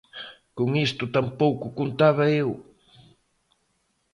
Con isto tampouco contaba eu!